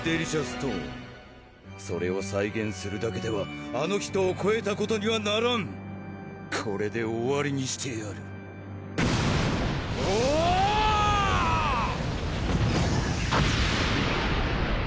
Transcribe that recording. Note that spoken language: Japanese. トーンそれを再現するだけではあの人をこえたことにはならんこれで終わりにしてやるオオーッ！